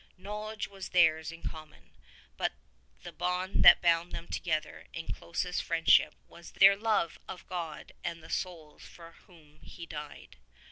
Knowledge was theirs in common ; but the bond that bound them together in closest friendship was their love of God and the souls for whom He died.